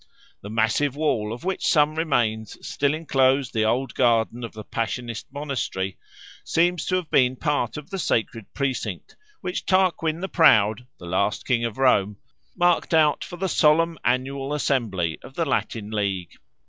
The massive wall, of which some remains still enclose the old garden of the Passionist monastery, seems to have been part of the sacred precinct which Tarquin the Proud, the last king of Rome, marked out for the solemn annual assembly of the Latin League.